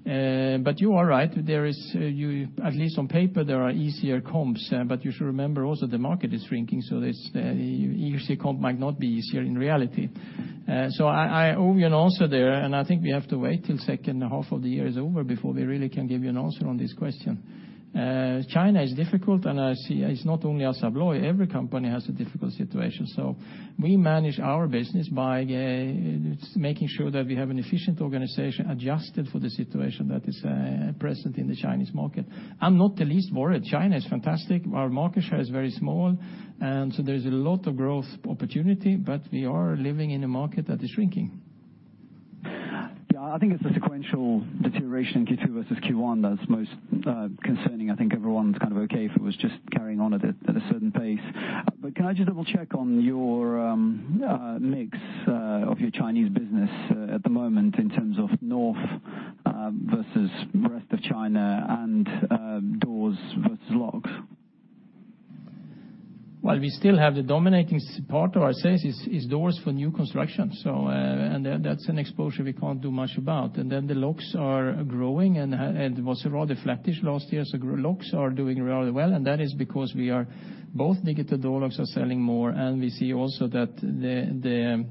You are right. At least on paper, there are easier comps. You should remember also the market is shrinking. Easier comp might not be easier in reality. I owe you an answer there. I think we have to wait till second half of the year is over before we really can give you an answer on this question. China is difficult. It's not only Assa Abloy. Every company has a difficult situation. We manage our business by making sure that we have an efficient organization adjusted for the situation that is present in the Chinese market. I'm not the least worried. China is fantastic. Our market share is very small. There's a lot of growth opportunity. We are living in a market that is shrinking. Yeah, I think it's the sequential deterioration in Q2 versus Q1 that's most concerning. I think everyone's kind of okay if it was just carrying on at a certain pace. Can I just double-check on your mix of your Chinese business at the moment in terms of north versus rest of China and doors versus locks? While we still have the dominating part of our sales is doors for new construction. That's an exposure we can't do much about. The locks are growing, and it was rather flattish last year. Locks are doing rather well, and that is because both digital door locks are selling more, and we see also that the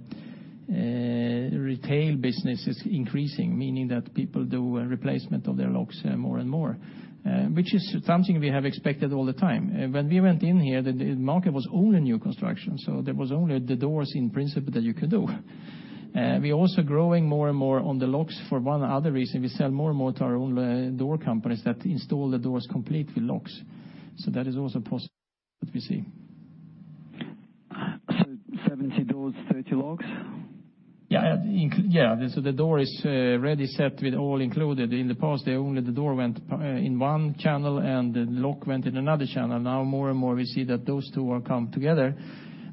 retail business is increasing, meaning that people do replacement of their locks more and more. Which is something we have expected all the time. When we went in here, the market was only new construction, so there was only the doors in principle that you could do. We're also growing more and more on the locks for one other reason. We sell more and more to our own door companies that install the doors complete with locks. That is also positive that we see. 70 doors, 30 locks? Yeah. The door is ready set with all included. In the past, only the door went in one channel and the lock went in another channel. Now more and more we see that those two will come together.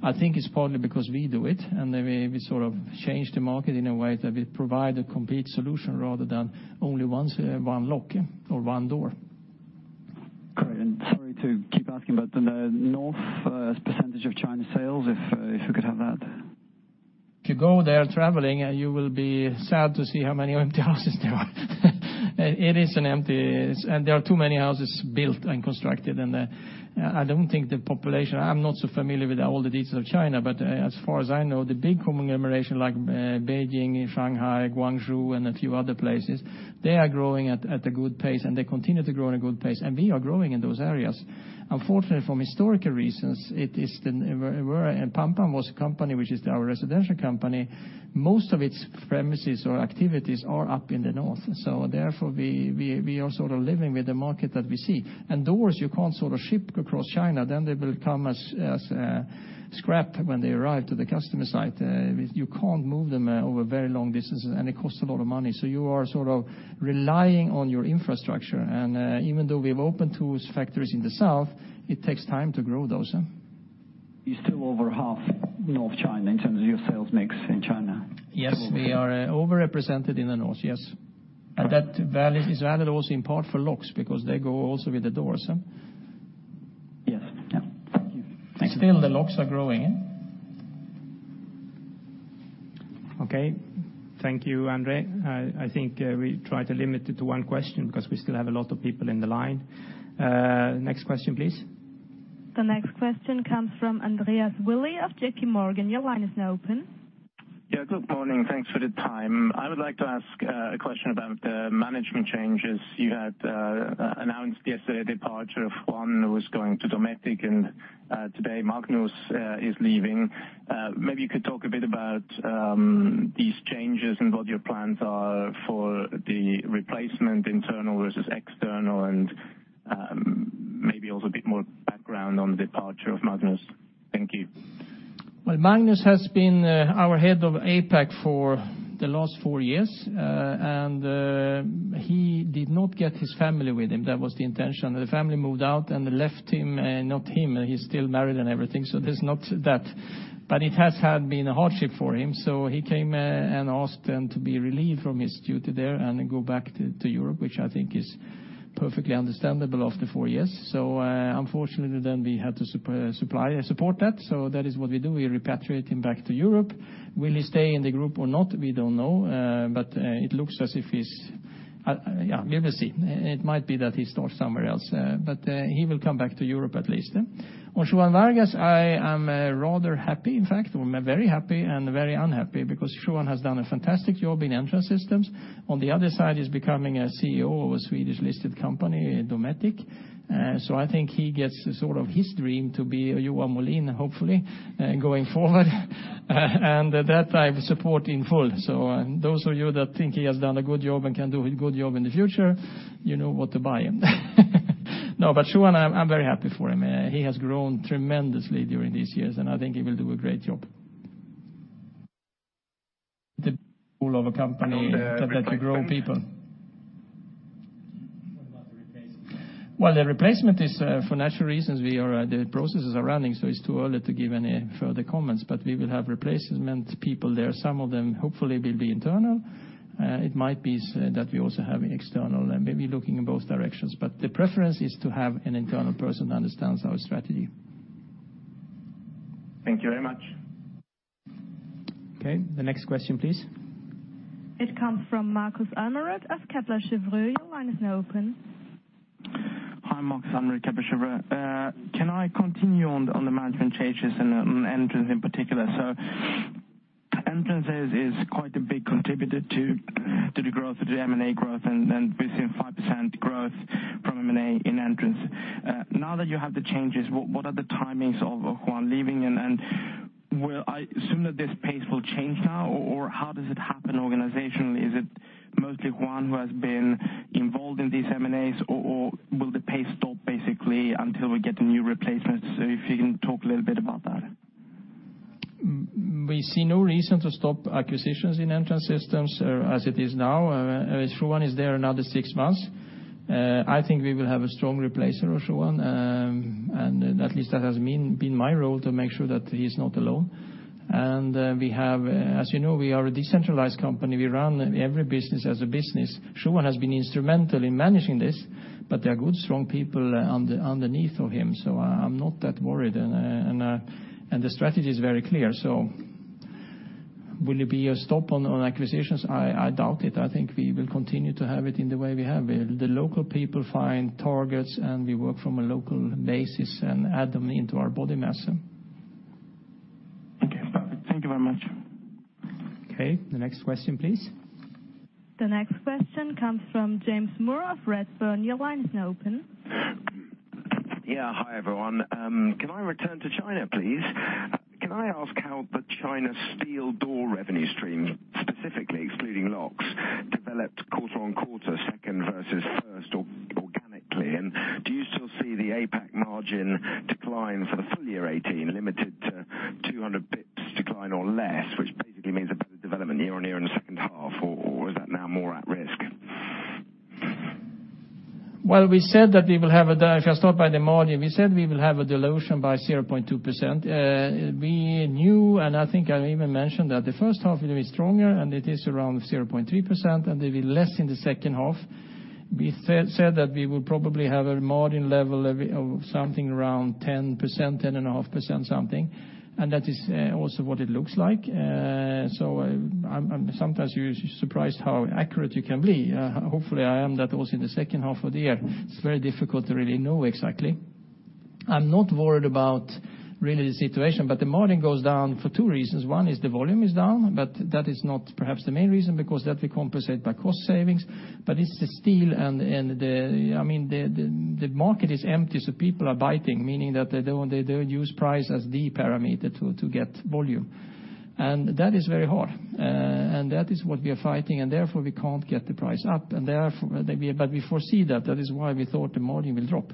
I think it's partly because we do it, and we sort of change the market in a way that we provide a complete solution rather than only one lock or one door. Great, sorry to keep asking, the north as % of China sales, if we could have that. If you go there traveling, you will be sad to see how many empty houses there are. It is empty, there are too many houses built and constructed in there. I don't think the population, I'm not so familiar with all the details of China. As far as I know, the big conglomeration like Beijing, Shanghai, Guangzhou, a few other places, they are growing at a good pace, they continue to grow at a good pace. We are growing in those areas. Unfortunately, for historical reasons, it is where, PanPan was a company which is our residential company, most of its premises or activities are up in the north. Therefore we are sort of living with the market that we see. Doors you can't ship across China, they will come as scrap when they arrive to the customer site. You can't move them over very long distances, it costs a lot of money. You are sort of relying on your infrastructure. Even though we've opened two factories in the south, it takes time to grow those. You're still over half North China in terms of your sales mix in China? Yes. We are over-represented in the north, yes. That value is added also in part for locks, because they go also with the doors. Yeah. Thank you. Still, the locks are growing. Okay. Thank you, Andre. I think we try to limit it to one question because we still have a lot of people in the line. Next question, please. The next question comes from Andreas Willi of JP Morgan. Your line is now open. Good morning. Thanks for the time. I would like to ask a question about the management changes. You had announced yesterday the departure of Juan, who is going to Dometic, and today Magnus is leaving. Maybe you could talk a bit about these changes and what your plans are for the replacement, internal versus external, and maybe also a bit more background on the departure of Magnus. Thank you. Magnus has been our head of APAC for the last four years. He did not get his family with him. That was the intention. The family moved out and left him, not him. He's still married and everything, so there's not that. It has been a hardship for him. He came and asked then to be relieved from his duty there and go back to Europe, which I think is perfectly understandable after four years. Unfortunately, then we had to support that. That is what we do. We repatriate him back to Europe. Will he stay in the group or not? We don't know. It looks as if he's Yeah, we will see. It might be that he starts somewhere else. He will come back to Europe at least. On Juan Vargues, I am rather happy, in fact, very happy and very unhappy because Juan has done a fantastic job in Entrance Systems. On the other side, he's becoming a CEO of a Swedish-listed company, Dometic. I think he gets sort of his dream to be a Johan Molin, hopefully, going forward. That I support in full. Those of you that think he has done a good job and can do a good job in the future, you know what to buy him. No, but Juan, I'm very happy for him. He has grown tremendously during these years, and I think he will do a great job. The role of a company that you grow people. What about the replacement? Well, the replacement is for natural reasons. The processes are running, so it's too early to give any further comments, but we will have replacement people there. Some of them, hopefully, will be internal. It might be that we also have external and may be looking in both directions, but the preference is to have an internal person who understands our strategy. Thank you very much. Okay. The next question, please. It comes from Markus Almeroth of Kepler Cheuvreux. Your line is now open. Hi, Markus Almeroth, Kepler Cheuvreux. Can I continue on the management changes and on Entrance Systems in particular? Entrance Systems is quite a big contributor to the M&A growth and we've seen 5% growth from M&A in Entrance Systems. Now that you have the changes, what are the timings of Juan leaving and will I assume that this pace will change now, or how does it happen organizationally? Is it mostly Juan who has been involved in these M&As, or will the pace stop basically until we get a new replacement? If you can talk a little bit about that. We see no reason to stop acquisitions in Entrance Systems as it is now. Juan is there another 6 months. I think we will have a strong replacer of Juan, at least that has been my role to make sure that he's not alone. As you know, we are a decentralized company. We run every business as a business. Juan has been instrumental in managing this, there are good, strong people underneath him. I'm not that worried, the strategy is very clear. Will it be a stop on acquisitions? I doubt it. I think we will continue to have it in the way we have. The local people find targets, we work from a local basis and add them into our body mass. Okay, perfect. Thank you very much. Okay. The next question, please. The next question comes from James Moore of Redburn. Your line is now open. Yeah. Hi, everyone. Can I return to China, please? Can I ask how the China steel door revenue stream, specifically excluding locks, developed quarter-on-quarter, second versus first organically, and do you still see the APAC margin decline for the full year 2016 limited to 200 basis points decline or less, which basically means a better development year-on-year in the second half, or is that now more at risk? Well, if I start by the margin, we said we will have a dilution by 0.2%. We knew, and I think I even mentioned that the first half will be stronger, and it is around 0.3%, and it will be less in the second half. We said that we will probably have a margin level of something around 10%, 10.5%, something, and that is also what it looks like. Sometimes you're surprised how accurate you can be. Hopefully, I am that also in the second half of the year. It's very difficult to really know exactly. I'm not worried about really the situation, the margin goes down for two reasons. One is the volume is down, but that is not perhaps the main reason, because that we compensate by cost savings. It's the steel and the market is empty, people are biting, meaning that they don't use price as the parameter to get volume. That is very hard. That is what we are fighting, therefore we can't get the price up. We foresee that. That is why we thought the margin will drop.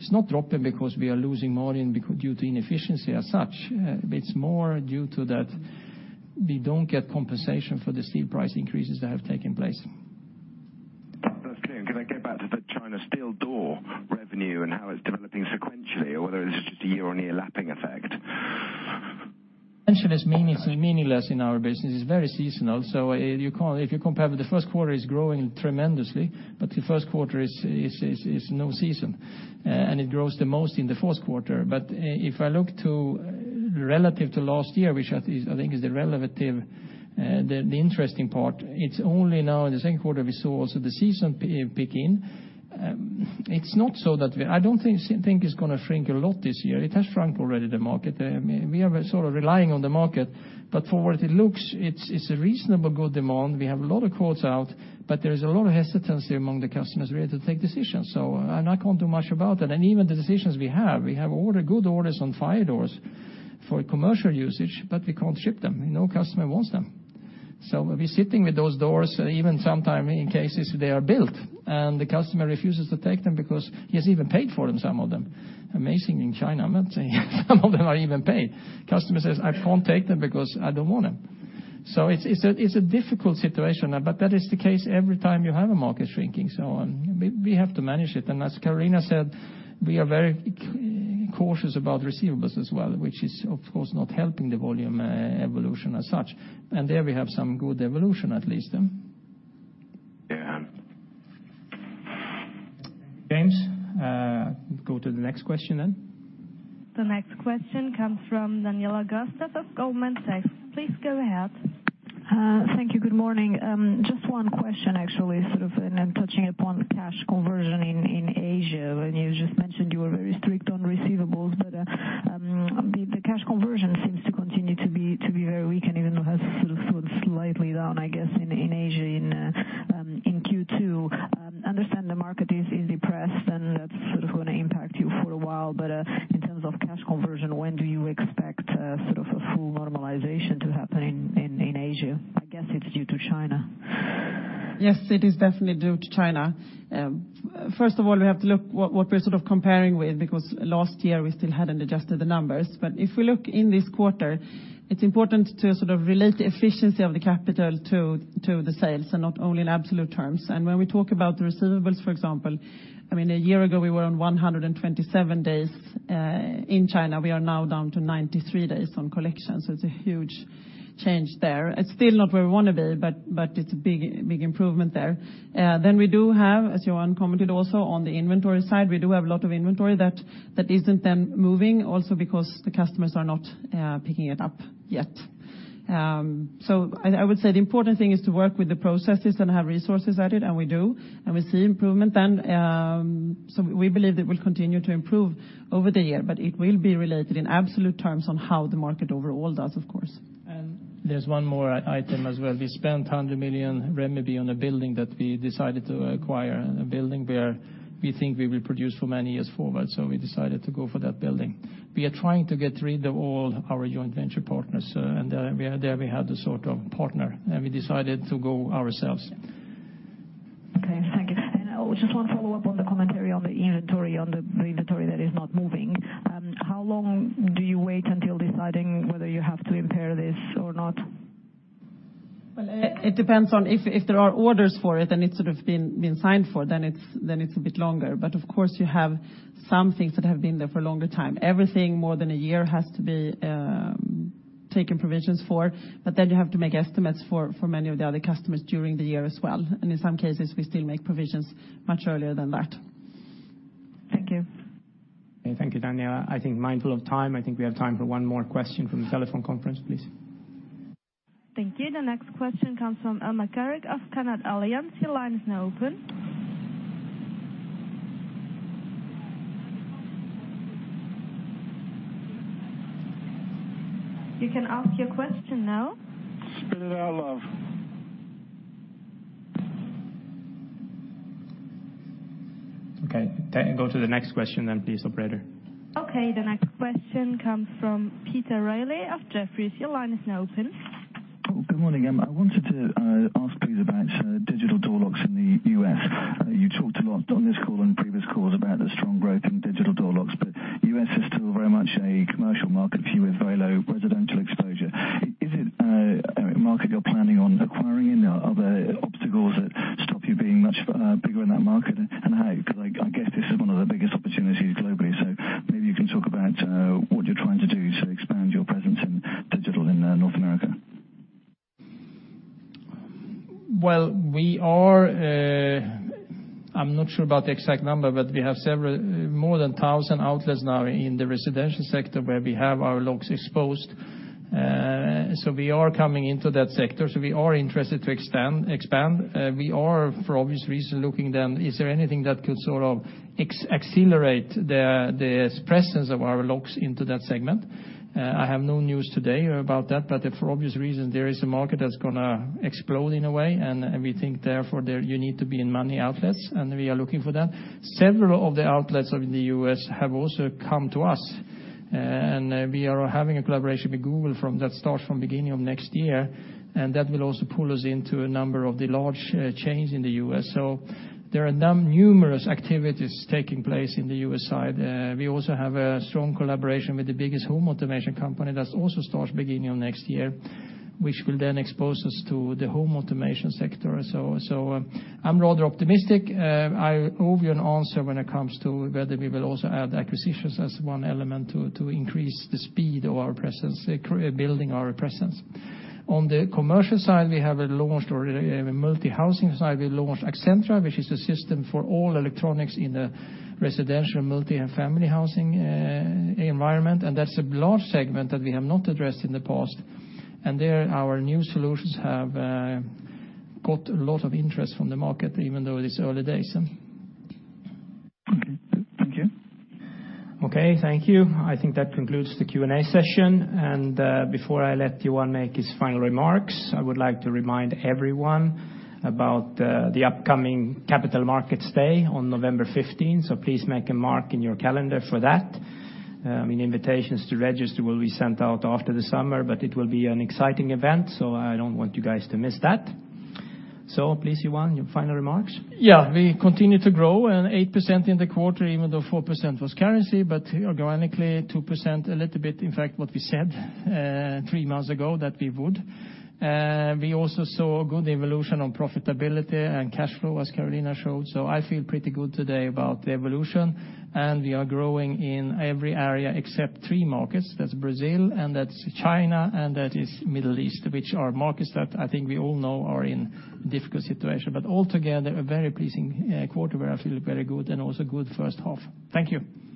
It's not dropping because we are losing margin due to inefficiency as such. It's more due to that we don't get compensation for the steel price increases that have taken place. That's clear. Can I get back to the China steel door revenue and how it's developing sequentially, or whether it's just a year-on-year lapping effect? Actually, it's meaningless in our business. It's very seasonal. If you compare with the first quarter, it's growing tremendously. The first quarter is no season, and it grows the most in the fourth quarter. If I look to relative to last year, which I think is the interesting part, it's only now in the second quarter we saw also the season begin. I don't think it's going to shrink a lot this year. It has shrunk already, the market. We are sort of relying on the market, but for what it looks, it's a reasonably good demand. We have a lot of quotes out, but there is a lot of hesitancy among the customers really to take decisions. I can't do much about that. Even the decisions we have, we have good orders on fire doors for commercial usage, but we can't ship them. No customer wants them. We'll be sitting with those doors even sometime in cases they are built and the customer refuses to take them because he has even paid for them, some of them. Amazing in China, I must say. Some of them are even paid. Customer says, "I can't take them because I don't want them." It's a difficult situation, but that is the case every time you have a market shrinking, so on. We have to manage it. As Carolina said, we are very cautious about receivables as well, which is of course not helping the volume evolution as such. There we have some good evolution, at least. Yeah. James? Go to the next question then. The next question comes from Daniela Costa of Goldman Sachs. Please go ahead. Thank you. Good morning. Just one question, actually, sort of touching upon cash conversion in Asia. You just mentioned you were very strict on receivables, but the cash conversion seems to continue to be very weak and even has sort of slowed slightly down, I guess, in Asia in Q2. In terms of cash conversion, when do you expect sort of a full normalization to happen in Asia? I guess it's due to China. Yes, it is definitely due to China. First of all, we have to look what we're comparing with, because last year we still hadn't adjusted the numbers. If we look in this quarter, it's important to relate the efficiency of the capital to the sales and not only in absolute terms. When we talk about the receivables, for example, a year ago we were on 127 days in China. We are now down to 93 days on collections. It's a huge change there. It's still not where we want to be, but it's a big improvement there. We do have, as Johan commented also, on the inventory side. We do have a lot of inventory that isn't then moving also because the customers are not picking it up yet. I would say the important thing is to work with the processes and have resources at it, and we do, and we see improvement then. We believe that will continue to improve over the year, but it will be related in absolute terms on how the market overall does, of course. There's one more item as well. We spent 100 million RMB on a building that we decided to acquire, a building where we think we will produce for many years forward. We decided to go for that building. We are trying to get rid of all our joint venture partners, there we had the sort of partner, and we decided to go ourselves. Okay. Thank you. Just one follow-up on the commentary on the inventory that is not moving. How long do you wait until deciding whether you have to impair this or not? Well, it depends on if there are orders for it, then it's sort of been signed for, then it's a bit longer. Of course you have some things that have been there for a longer time. Everything more than a year has to be taken provisions for. You have to make estimates for many of the other customers during the year as well. In some cases, we still make provisions much earlier than that. Thank you. Thank you, Daniela. I think mindful of time, I think we have time for one more question from the telephone conference, please. Thank you. The next question comes from Brian McNamara of Canaccord Genuity. Your line is now open. You can ask your question now. Spit it out, love. Okay. Go to the next question then please, operator. Okay. The next question comes from Peter Reilly of Jefferies. Your line is now open. Oh, good morning. I wanted to ask please about digital door locks in the U.S. You talked a lot on this call and previous calls about the strong growth in digital door locks, but U.S. is still very much a commercial market for you with very low residential exposure. Is it a market you're planning on acquiring in? Are there obstacles that stop you being much bigger in that market? How? I guess this is one of the biggest opportunities globally. Maybe you can talk about what you're trying to do to expand your presence in digital in North America. Well, I'm not sure about the exact number, but we have more than 1,000 outlets now in the residential sector where we have our locks exposed. We are coming into that sector. We are interested to expand. We are, for obvious reasons, looking then, is there anything that could accelerate the presence of our locks into that segment? I have no news today about that, but for obvious reasons, there is a market that's going to explode in a way, and we think therefore you need to be in many outlets, and we are looking for that. Several of the outlets in the U.S. have also come to us, and we are having a collaboration with Google that starts from beginning of next year, and that will also pull us into a number of the large chains in the U.S. There are numerous activities taking place in the U.S. side. We also have a strong collaboration with the biggest home automation company that also starts beginning of next year, which will then expose us to the home automation sector. I'm rather optimistic. I owe you an answer when it comes to whether we will also add acquisitions as one element to increase the speed of our presence, building our presence. On the commercial side, or multi-housing side, we launched ACCENTRA, which is a system for all electronics in a residential multi and family housing environment, and that's a large segment that we have not addressed in the past. There, our new solutions have got a lot of interest from the market, even though it is early days. Okay. Thank you. Okay. Thank you. I think that concludes the Q&A session. Before I let Johan make his final remarks, I would like to remind everyone about the upcoming Capital Markets Day on November 15th. Please make a mark in your calendar for that. Invitations to register will be sent out after the summer, but it will be an exciting event, I don't want you guys to miss that. Please, Johan, your final remarks. We continue to grow 8% in the quarter, even though 4% was currency, but organically 2%, a little bit, in fact, what we said three months ago that we would. We also saw good evolution on profitability and cash flow, as Carolina showed. I feel pretty good today about the evolution. We are growing in every area except three markets. That's Brazil, and that's China, and that is Middle East, which are markets that I think we all know are in a difficult situation. Altogether, a very pleasing quarter where I feel very good and also good first half. Thank you.